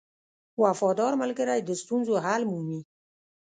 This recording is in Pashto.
• وفادار ملګری د ستونزو حل مومي.